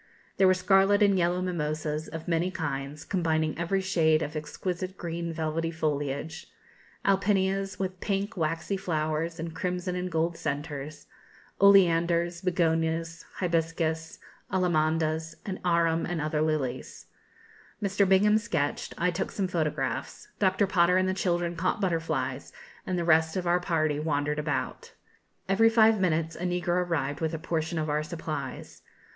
There were scarlet and yellow mimosas, of many kinds, combining every shade of exquisite green velvety foliage, alpinias, with pink, waxy flowers and crimson and gold centres, oleanders, begonias, hibiscus, allamandas, and arum and other lilies. [Illustration: Tarafal Bay, St. Antonio.] Mr. Bingham sketched, I took some photographs, Dr. Potter and the children caught butterflies, and the rest of our party wandered about. Every five minutes a negro arrived with a portion of our supplies.